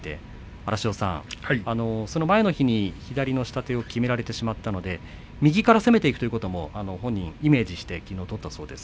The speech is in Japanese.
荒汐さん、その前の日に左の下手をきめられてしまったので、右から攻めていくというのも本人もイメージしてきのう取ったです。